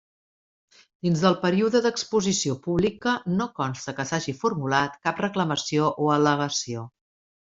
Dins del període d'exposició pública no consta que s'hagi formulat cap reclamació o al·legació.